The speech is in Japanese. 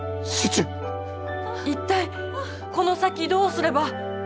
一体この先どうすれば。